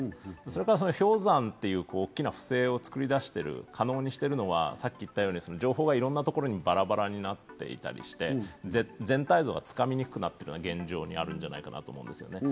それからその氷山という大きな不正をつくり出している、可能にしているのは、さっき言ったように、情報がいろんなところにバラバラになっていたりして、全体像が掴みにくくなっているのが現状にあるんじゃないかと思います。